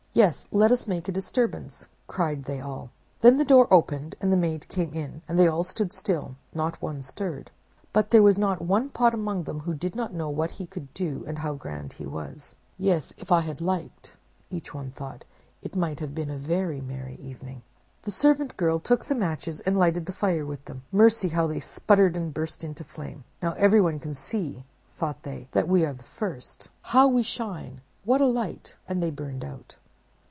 'Yes, let us make a disturbance, cried they all. Then the door opened, and the maid came in, and they all stood still; not one stirred. But there was not one pot among them who did not know what he could do and how grand he was. 'Yes, if I had liked,' each one thought, 'it might have been a very merry evening.' "The servant girl took the Matches and lighted the fire with them. mercy! how they sputtered and burst out into flame! 'Now everyone can see,' thought they, 'that we are the first. How we shine! what a light!'—and they burned out."